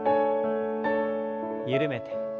緩めて。